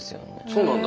そうなんだ。